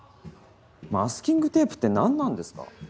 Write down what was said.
マスキングテープって何なんですか？